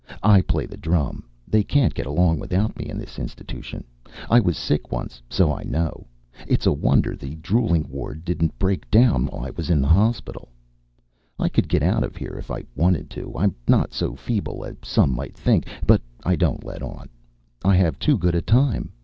I play the drum. They can't get along without me in this institution. I was sick once, so I know. It's a wonder the drooling ward didn't break down while I was in hospital. I could get out of here if I wanted to. I'm not so feeble as some might think. But I don't let on. I have too good a time.